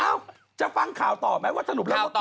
เอ้าจะฟังข่าวต่อไหมว่าสรุปแล้ว